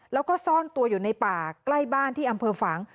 แล้วก็ซ่อนตัวอยู่ในป่าใกล้บ้านที่อำเภอฝัง